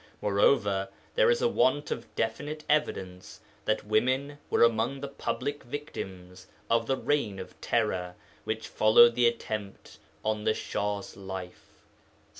Moreover, there is a want of definite evidence that women were among the public victims of the 'reign of Terror' which followed the attempt on the Shah's life (cp.